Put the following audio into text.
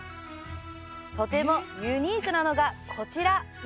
とてもユニークなのが、こちら。